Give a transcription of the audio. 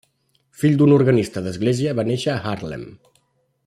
Fill d'un organista d'església, va néixer a Haarlem.